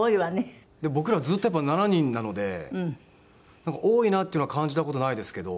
僕らはずっとやっぱ７人なので多いなっていうのは感じた事ないですけど。